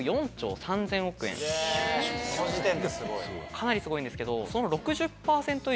かなりすごいんですけど。